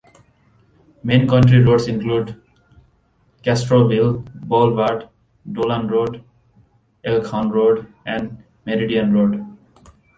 Main county roads include: Castroville Boulevard, Dolan Road, Elkhorn Road, and Meridian Road.